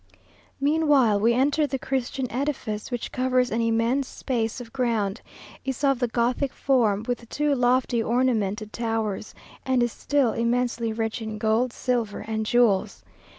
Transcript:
Meanwhile we entered the Christian edifice, which covers an immense space of ground, is of the Gothic form, with two lofty ornamented towers, and is still immensely rich in gold, silver, and jewels.